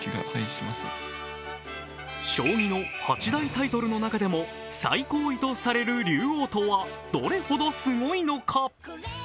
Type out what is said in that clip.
将棋の８大タイトルの中でも最高位と言われる竜王とはどれほどすごいのか。